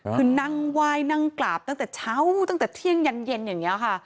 คือนั่งไหว้นั่งกราบตั้งแต่เช้าตั้งแต่เที่ยงยันเย็นอย่างนี้ค่ะ